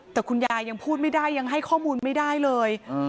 แต่คุณยายยังพูดไม่ได้ยังให้ข้อมูลไม่ได้เลย